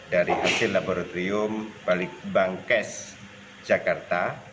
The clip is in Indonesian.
dari hasil laboratorium balikbangkes jakarta